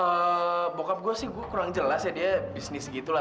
kalau bokap gue sih gue kurang jelas ya dia bisnis gitu lah